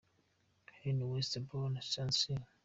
h : West Brom – Swansea.